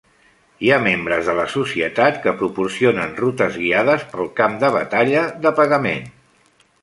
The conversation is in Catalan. Hi ha membres de la Societat que proporcionen rutes guiades pel camp de batalla de pagament.